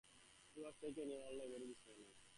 He was taken ill in the library this morning.